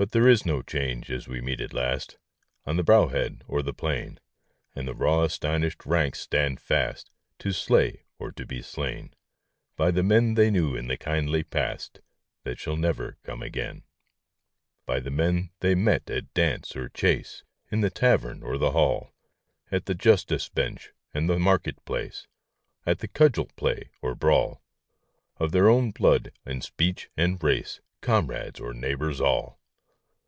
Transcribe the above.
But there is no change as we meet at last On the brow head or the plain, And the raw astonished ranks stand fast To slay or to be slain By the men they knew in the kindly past That shall never come again — By the men they met at dance or chase, In the tavern or the hall. At the justice bench and the market place, At the cudgel play or brawl, Of their own blood and speech and race, Comrades or neighbours all